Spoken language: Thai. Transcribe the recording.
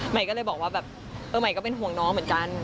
ใหม่ก็เลยบอกว่าแบบเออใหม่ก็เป็นห่วงน้องเหมือนกัน